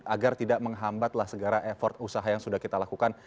agar tidak menghambatlah segara effort usaha yang sudah kita lakukan